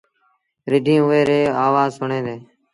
رڍينٚ اُئي ريٚ آوآز سُڻيݩ دينٚ